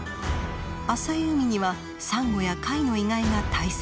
浅い海にはサンゴや貝の遺骸が堆積。